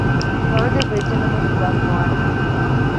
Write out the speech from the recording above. ވަޢުދެއްވެއްޖެނަމަ ޚިލާފުވާނެ